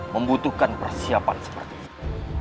membutuhkan persiapan seperti ini